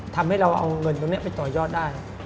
ทำให้เราเอาเงินตรงนี้ไปต่อยอดได้